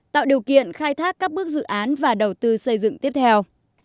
tạo điều kiện khai thác các bước dự án và đầu tư xây dựng tiếp theo